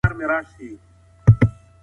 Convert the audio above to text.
بد انسان کينه ساتي